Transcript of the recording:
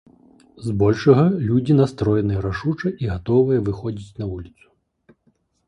Збольшага людзі настроеныя рашуча і гатовыя выходзіць на вуліцу.